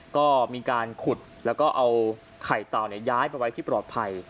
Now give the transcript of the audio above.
ก็มีการขุดแล้วก็เอาไข่เต่าย้ายไปไว้ที่ปลอดภัย